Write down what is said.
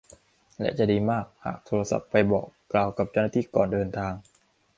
และจะดีมากหากโทรศัพท์ไปบอกกล่าวกับเจ้าหน้าที่ก่อนเดินทาง